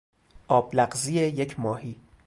آب لغزی یک ماهی